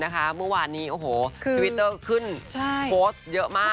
ทวิตเตอร์ขึ้นโพสต์เยอะมาก